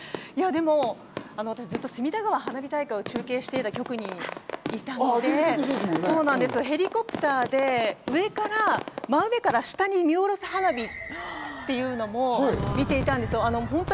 私、ずっと隅田川花火大会を中継していた局にいたので、ヘリコプターで真上から下に見下ろす花火っていうのも見ていたんですよ。